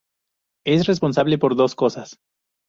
Es responsable por dos cosas.